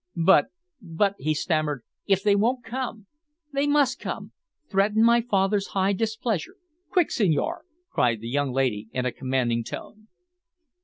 "But but " he stammered, "if they won't come ?" "They must come. Threaten my father's high displeasure. Quick, Senhor," cried the young lady in a commanding tone.